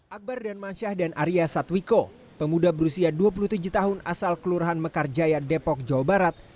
akbar dan mansyah dan arya satwiko pemuda berusia dua puluh tujuh tahun asal kelurahan mekarjaya depok jawa barat